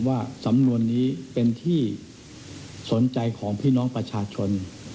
ว่าสำนวนนี้เป็นที่สนใจของพี่น้องประชาชน